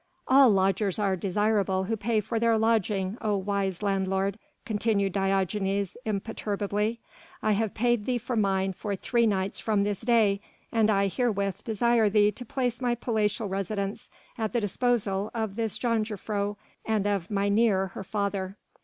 "All lodgers are desirable who pay for their lodging, O wise landlord," continued Diogenes imperturbably, "I have paid thee for mine, for three nights from this day and I herewith desire thee to place my palatial residence at the disposal of this jongejuffrouw and of mynheer her father."